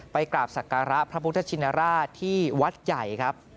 กราบศักระพระพุทธชินราชที่วัดใหญ่ครับ